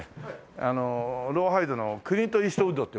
あの『ローハイド』のクリント・イーストウッドっていう者。